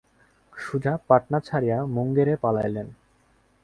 সুজা পাটনা ছাড়িয়া মুঙ্গেরে পলাইলেন।